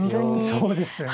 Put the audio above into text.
そうですね。